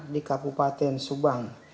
di kabupaten subang